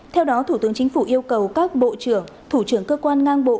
theo đó thủ tướng chính phủ yêu cầu các bộ trưởng thủ trưởng cơ quan ngang bộ